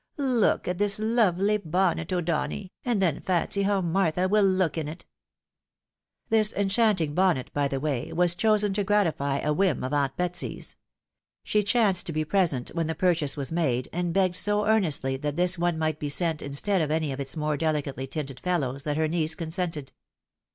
"Look at this lovely bonnet, O'Donny, and then fancy how Martha wiU look in it !" This enchanting bonn4t, by the way, was chosen to gratify a whim of aunt Betsy's. She chanced to be present when the purchase was made, and begged so earnestly that this one might be sent instead of any of its more dehcately tinted fellows, that her niece consented.